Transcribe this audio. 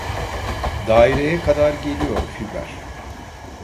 Daireye kadar geliyor fiber